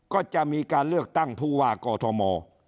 ก็จะมีการเลือกตั้งผู้ว่ากอทม